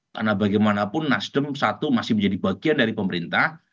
karena bagaimanapun nasdem satu masih menjadi bagian dari pemerintah